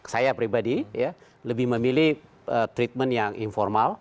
saya pribadi lebih memilih treatment yang informal